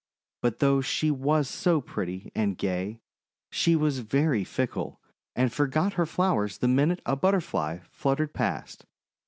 But though she was so pretty and gay, she was very fickle, and forgot her flowers the minute a Butterfly fluttered past.